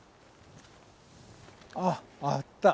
あっあった。